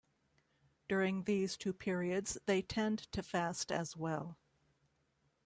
During these two periods, they tend to fast as well.